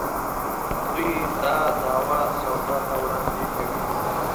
دوی دا دعوه سودا ته وړاندې کوي.